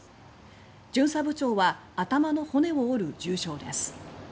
巡査部長は頭の骨を折る重傷です。